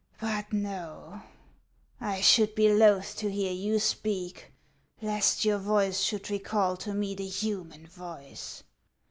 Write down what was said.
But no ; I should be loath to hear you speak, lest your voice should recall to me the human voice.